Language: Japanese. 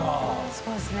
そうですね。